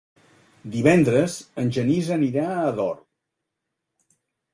Divendres en Genís anirà a Ador.